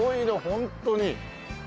ホントに。